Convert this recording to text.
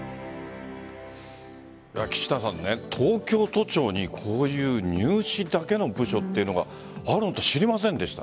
岸田さん、東京都庁にこういう入試だけの部署っていうのがあるって知りませんでした。